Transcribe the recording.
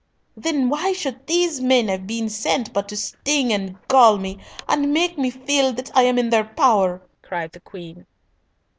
"Then why should these men have been sent but to sting and gall me, and make me feel that I am in their power?" cried the Queen.